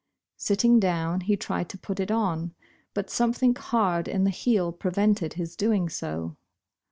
Sitting down, he tried to put it on, but something hard in the heel prevented his doing so.